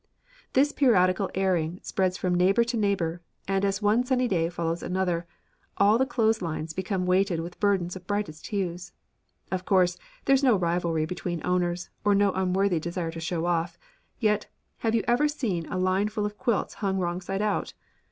This periodical airing spreads from neighbour to neighbour, and as one sunny day follows another all the clothes lines become weighted with burdens of brightest hues. Of course, there is no rivalry between owners, or no unworthy desire to show off, yet, have you ever seen a line full of quilts hung wrong side out?